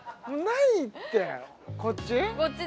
こっち？